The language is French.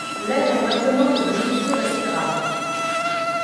L'air est maintenant devenu plus respirable.